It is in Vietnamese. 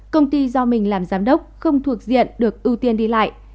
công ty do mình làm giám đốc không thuộc diện được ưu tiên đi lại